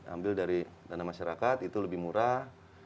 ambil dari dana masyarakat itu lebih murah